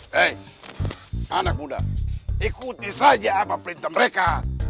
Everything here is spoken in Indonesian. hei anak muda ikuti saja apa perintah mereka